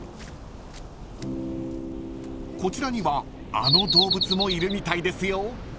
［こちらにはあの動物もいるみたいですよ］